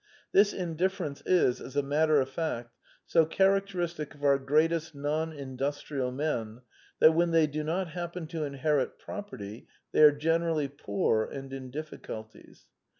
This indifference is, as a matter of fact, so characteristic of our great est non industrial men that when they do not hap pen to inherit property they are generally poor and in difficulties.